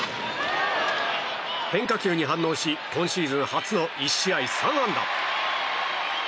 変化球に反応し今シーズン初の１試合３安打。